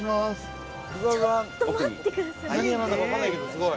◆すっごい！